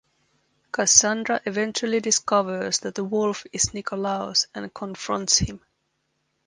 Kassandra eventually discovers that the Wolf is Nikolaos and confronts him.